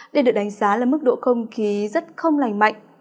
đây được đánh giá là mức độ không khí rất không lành mạnh